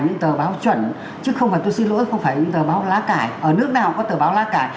những tờ báo chuẩn chứ không phải tôi xin lỗi không phải những tờ báo lá cải ở nước nào có tờ báo lá cả